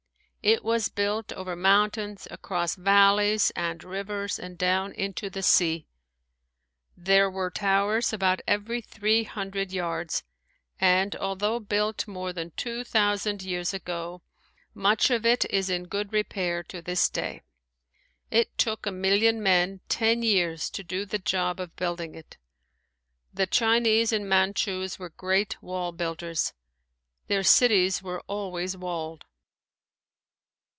It was built over mountains, across valleys and rivers and down into the sea. There were towers about every three hundred yards and although built more than two thousand years ago, much of it is in good repair to this day. It took a million men ten years to do the job of building it. The Chinese and Manchus were great wall builders. Their cities were always walled.